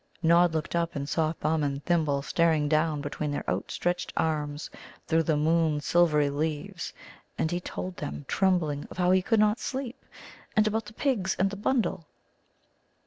Nod looked up, and saw Thumb and Thimble staring down between their out stretched arms through the moon silvery leaves. And he told them, trembling, of how he could not sleep, and about the pigs and the bundle.